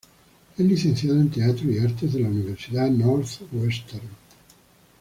Es licenciado en Teatro y Artes de la Universidad Northwestern.